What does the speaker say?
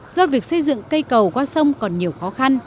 do việc xây dựng cây cầu qua sông còn nhiều khó khăn